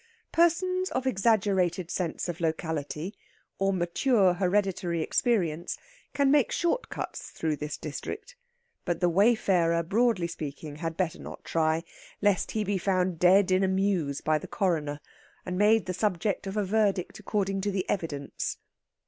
Persons of exaggerated sense of locality or mature hereditary experience can make short cuts through this district, but the wayfarer (broadly speaking) had better not try, lest he be found dead in a mews by the Coroner, and made the subject of a verdict according to the evidence.